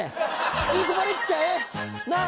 吸い込まれっちゃえ！な？